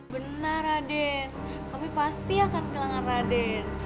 benar raden tapi pasti akan kehilangan raden